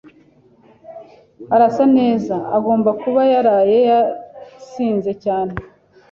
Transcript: Arasa neza. Agomba kuba yaraye yasinze cyane.